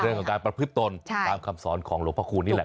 เรื่องของการประพฤติตนตามคำสอนของหลวงพระคูณนี่แหละ